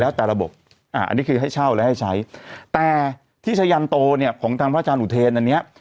แล้วแต่ระบบอ่าอันนี้คือให้เช่าและให้ใช้แต่ที่ชะยันโตเนี่ยของทางพระอาจารย์อุเทนอันเนี้ย